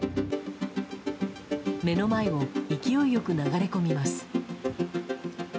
目の前を勢いよく流れ込みます。